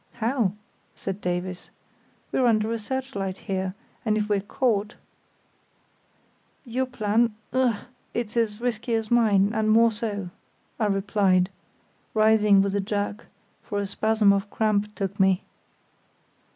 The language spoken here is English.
"How?" said Davies. "We're under a searchlight here; and if we're caught——" "Your plan—ugh!—it's as risky as mine, and more so," I replied, rising with a jerk, for a spasm of cramp took me.